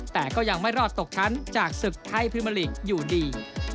แต่ก็ยังไม่รอดตกชั้นจากศึกไทยพรีเมอร์ลีกอยู่ดี